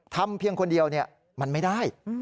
เพียงคนเดียวมันไม่ได้